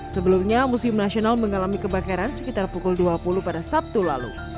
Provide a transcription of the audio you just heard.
sebelumnya museum nasional mengalami kebakaran sekitar pukul dua puluh pada sabtu lalu